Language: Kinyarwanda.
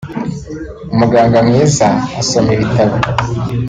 umuganga mwiza asoma ibitabo